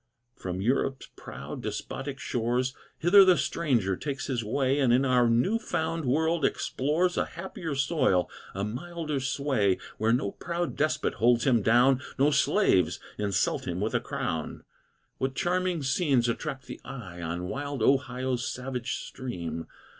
From Europe's proud, despotic shores Hither the stranger takes his way, And in our new found world explores A happier soil, a milder sway, Where no proud despot holds him down, No slaves insult him with a crown. What charming scenes attract the eye, On wild Ohio's savage stream!